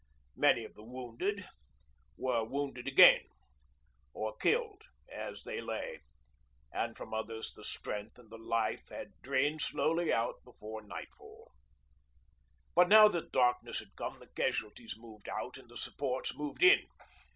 Many of the wounded were wounded again, or killed as they lay; and from others the strength and the life had drained slowly out before nightfall. But now that darkness had come the casualties moved out and the supports moved in.